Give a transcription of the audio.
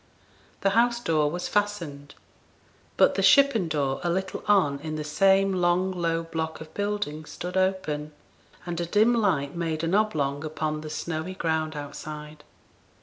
The house door was fastened; but the shippen door a little on in the same long low block of building stood open, and a dim light made an oblong upon the snowy ground outside.